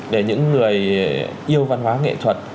để những người yêu văn hóa nghệ thuật